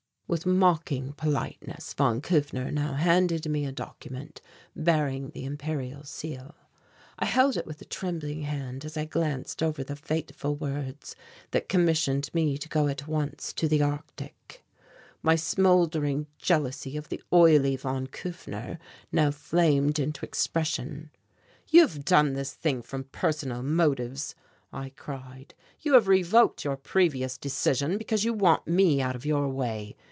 With mocking politeness von Kufner now handed me a document bearing the imperial seal. I held it with a trembling hand as I glanced over the fateful words that commissioned me to go at once to the Arctic. My smouldering jealousy of the oily von Kufner now flamed into expression. "You have done this thing from personal motives," I cried. "You have revoked your previous decision because you want me out of your way.